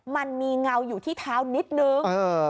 มันมีเงาอยู่ที่เท้านิดนึง